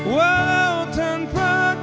walau tanpa kata